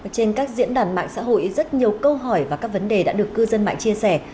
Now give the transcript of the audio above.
trên các diễn đàn mạng xã hội rất nhiều câu hỏi và các vấn đề đã được cư dân mạng chia sẻ